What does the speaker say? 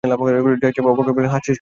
জাহিদ সাহেব অবাক হয়ে বললেন, হাসছিস কেন?